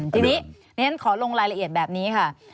ทีนี้ฉันขอลงรายละเอียดแบบนี้ค่ะ